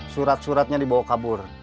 surat suratnya dibawa kabur